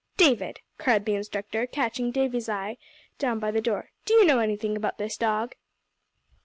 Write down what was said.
"David," cried the instructor, catching Davie's eye, down by the door, "do you know anything about this dog?"